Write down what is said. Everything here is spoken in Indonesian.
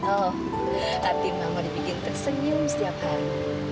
oh hati mama dibikin tersenyum setiap hari